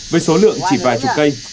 với số lượng chỉ vài chục cây